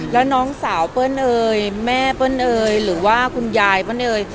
แล้วน้องสาวเปิ้ลเอยแม่เปิ้ลเอยหรือว่าคุณยายเปิ้ลเนย